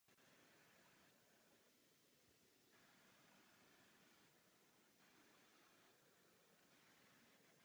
Měli bychom přesvědčivěji vysvětlovat, že jsme schopni řešit problémy důvěryhodně.